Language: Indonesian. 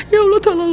ya allah tolong